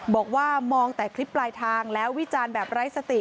บอกว่ามองแต่คลิปปลายทางแล้ววิจารณ์แบบไร้สติ